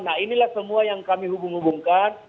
nah inilah semua yang kami hubung hubungkan